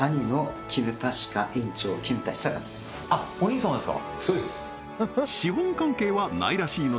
あっお兄様ですか？